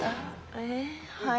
えはい。